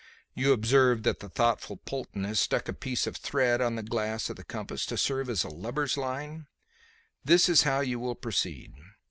You observe that the thoughtful Polton has stuck a piece of thread on the glass of the compass to serve as a lubber's line. This is how you will proceed.